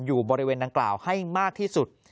อยู่บริเวณดังกล่าวให้มากที่สุด